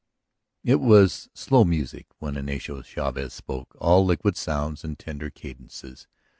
It was slow music when Ignacio Chavez spoke, all liquid sounds and tender cadences.